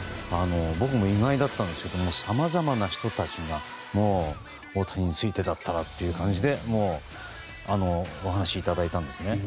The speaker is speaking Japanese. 僕も意外だったんですけどさまざまな人たちが大谷についてだったらという感じでお話をいただいたんですね。